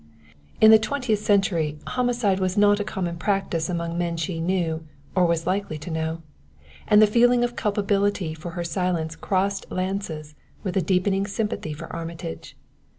In the twentieth century homicide was not a common practice among men she knew or was likely to know; and the feeling of culpability for her silence crossed lances with a deepening sympathy for Armitage.